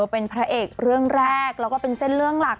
เป็นพระเอกเรื่องแรกแล้วก็เป็นเส้นเรื่องหลัก